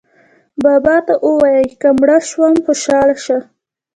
بابا ته ووایئ که زه مړه شوم خوشاله شه.